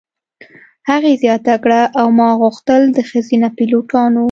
هغې زیاته کړه: "او ما غوښتل د ښځینه پیلوټانو.